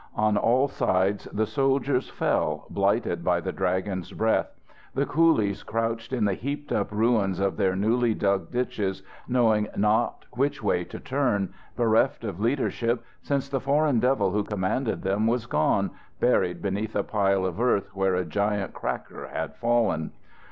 On all sides the soldiers fell, blighted by the Dragon's breath. The coolies crouched in the heaped up ruins of their newly dug ditches, knowing not which way to turn, bereft of leadership since the Foreign Devil who commanded them was gone, buried beneath a pile of earth where a giant cracker had fallen.